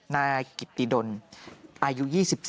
นาอยธิโดลอายุ๒๓